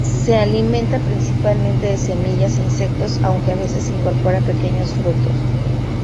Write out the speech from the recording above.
Se alimenta principalmente de semillas e insectos aunque a veces incorpora pequeños frutos.